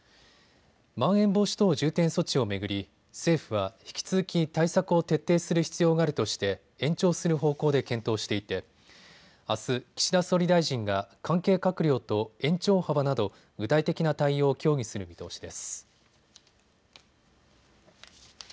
まん延防止等重点措置を巡り政府は引き続き対策を徹底する必要があるとして延長する方向で検討していてあす、岸田総理大臣が関係閣僚と延長幅など具体的な対応を協議する見通しです。